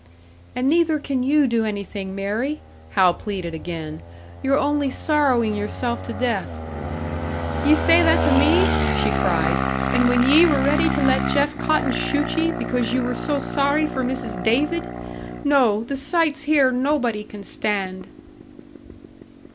"And neither can you do anything, Mary," Hal pleaded again. "You're only sorrowing yourself to death." "Ye say that to me?" she cried. "And when ye were ready to let Jeff Cotton shoot ye, because you were so sorry for Mrs. David! No, the sights here nobody can stand."